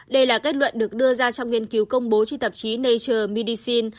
đây là kết luận được đưa ra trong nghiên cứu công bố trên tạp chí nature midicine